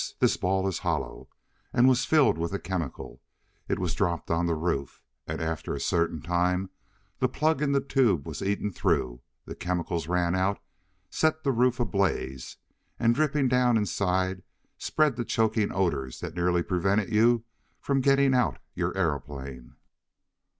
This ball is hollow, and was filled with a chemical. It was dropped on the roof, and, after a certain time, the plug in the tube was eaten through, the chemicals ran out, set the roof ablaze, and, dripping down inside spread the choking odors that nearly prevented you from getting out your aeroplane."